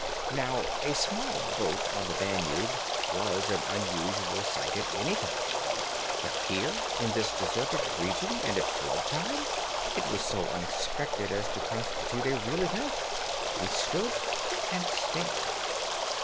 Now a small boat on the Danube was an unusual sight at any time, but here in this deserted region, and at flood time, it was so unexpected as to constitute a real event. We stood and stared.